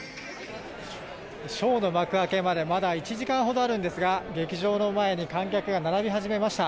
ショーの幕開けまでまだ１時間ほどあるんですが劇場の前に観客が並び始めました。